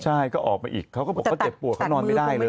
ใช่ก็ออกมาอีกเขาก็บอกเขาเจ็บปวดเขานอนไม่ได้เลย